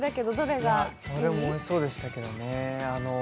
どれもおいしそうでしたけれどもね。